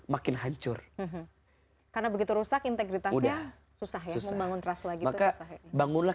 makin hancur karena begitu rusak integritasnya susah ya mau bangun keras lagi maka bangunlah